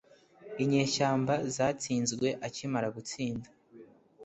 Inyeshyamba zatsinzwe akimara gutsinda